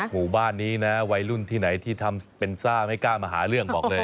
หมู่บ้านนี้นะวัยรุ่นที่ไหนที่ทำเป็นซ่าไม่กล้ามาหาเรื่องบอกเลย